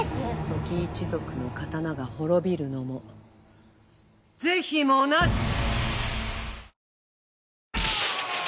土岐一族の刀が滅びるのも是非もなし。